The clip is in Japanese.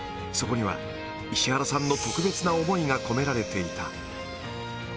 そこには石原さんの特別な思いが込められていた